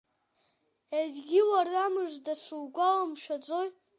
Едгьы уарамыжда, сугәаламшәаӡои?!